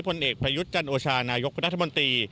ผลเอกประยุทธ์จันโอชานายกรัฐมนตรี